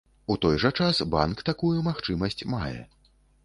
У той жа час, банк такую магчымасць мае.